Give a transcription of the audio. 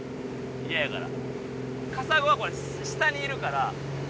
嫌やから。